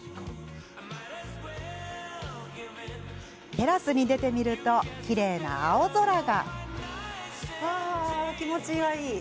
テラスに出てみるときれいな青空が。